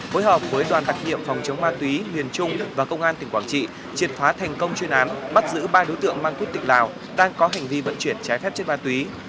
hối hợp với đoàn đặc nhiệm phòng chống ma túy huyền trung và công an tỉnh quảng trị triệt phá thành công chuyên án bắt giữ ba đối tượng mang quýt tỉnh lào đang có hành vi vận chuyển trái phép trên ma túy